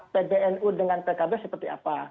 pbnu dengan pkb seperti apa